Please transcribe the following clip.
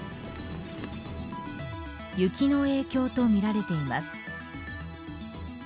雪の影響とみられています。